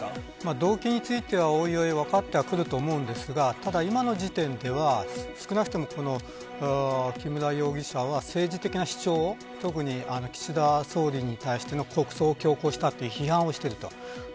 動機については追々分かってくると思いますがただ、今の時点では、少なくとも木村容疑者は政治的な主張を特に、岸田総理に対しての国葬を強行したという批判をしている。